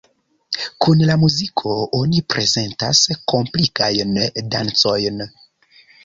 Kun la muziko oni prezentas komplikajn dancojn.